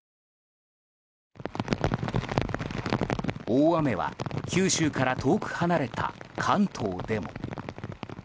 大雨は九州から遠く離れた関東でも。